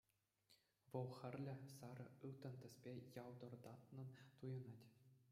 Вӑл хӗрлӗ, сарӑ, ылтӑн тӗспе ялтӑртатнӑн туйӑнать.